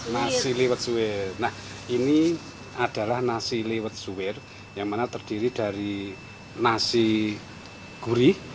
nasi liwet suwir nah ini adalah nasi liwet suwir yang mana terdiri dari nasi gurih